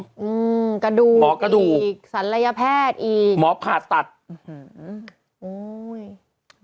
อื้มกระดูกหมอกระดูกสัญลัยแพทย์อีกหมอผ่าตัดโอ้ย